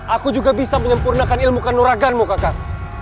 aku juga bisa menyempurnakan ilmu kanduraganmu kakak